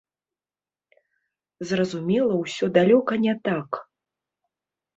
Зразумела ўсё далёка не так.